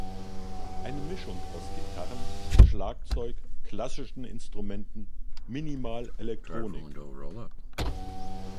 Eine Mischung aus Gitarren, Schlagzeug, klassischen Instrumenten, minimal Elektronik.